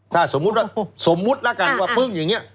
ถ้าสมมุติละกันว่าปึ้งอย่างเนี่ย